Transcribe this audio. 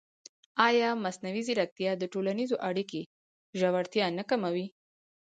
ایا مصنوعي ځیرکتیا د ټولنیزو اړیکو ژورتیا نه کموي؟